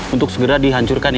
untuk segera dihancurkan ya